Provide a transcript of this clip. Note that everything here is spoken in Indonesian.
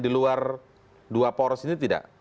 di luar dua poros ini tidak